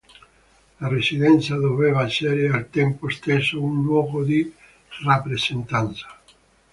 La residenza doveva essere al tempo stesso un luogo di rappresentanza.